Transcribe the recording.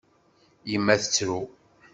Yemma tettru.